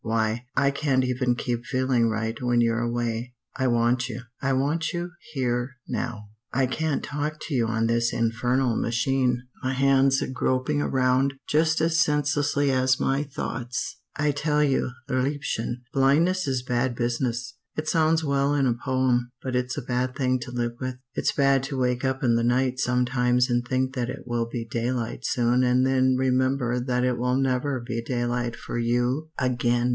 Why, I can't even keep feeling right when you're away. "I want you. I want you here now. I can't talk to you on this infernal machine, my hands groping around just as senselessly as my thoughts. I tell you, liebchen, blindness is bad business. It sounds well in a poem, but it's a bad thing to live with. It's bad to wake up in the night sometimes and think that it will be daylight soon and then remember that it will never be daylight for you again!